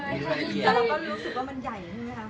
แต่เราก็รู้สึกว่ามันใหญ่ใช่ไหมคะ